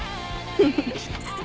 フフフ。